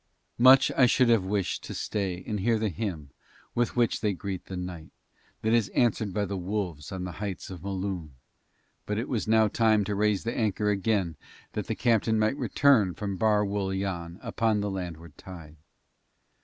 Much I should have wished to stay and hear the hymn with which they greet the night, that is answered by the wolves on the heights of Mloon, but it was now time to raise the anchor again that the captain might return from Bar Wul Yann upon the landward tide.